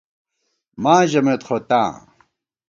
ماں ژَمېت خو تاں